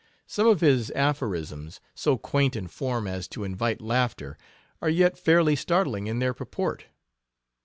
Some of his aphorisms so quaint in form as to invite laughter are yet fairly startling in their purport.